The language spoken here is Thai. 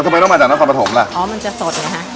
อ๋อทำไมต้องมาจากนครพภมล่ะอ๋อมันจะสดเลยค่ะ